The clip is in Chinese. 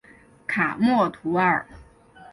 卡默图尔。